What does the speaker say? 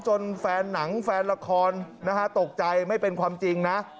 แฟนหนังแฟนละครนะฮะตกใจไม่เป็นความจริงนะ